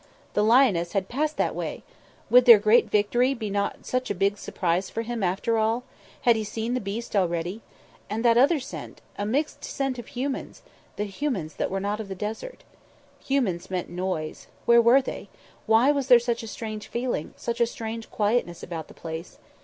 The lioness had passed that way! Would their great victory he not such a big surprise for Him after all? Had He seen the beast already? And that other scent a mixed scent of humans, the humans that were not of the desert! Humans meant noise. Where were they? Why was there such a strange feeling, such a strange quietness about the place?